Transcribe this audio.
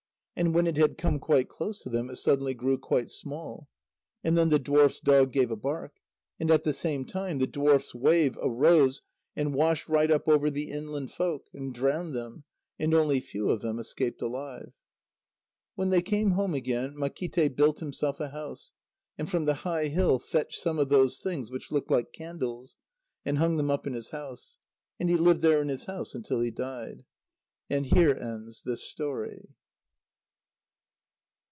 But when it had come quite close to them, it suddenly grew quite small. And then the dwarfs' dog gave a bark. And at the same time the dwarfs' wave arose, and washed right up over the inland folk, and drowned them, and only few of them escaped alive. When they came home again, Makíte built himself a house, and from the high hill fetched some of those things which looked like candles, and hung them up in his house. And he lived there in his house until he died. And here ends this story.